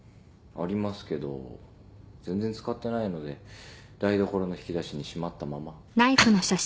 ありますけど全然使ってないので台所の引き出しにしまったまま。